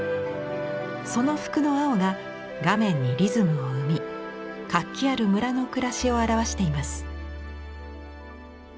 その服の青が画面にリズムを生み活気ある村の暮らしを表しています。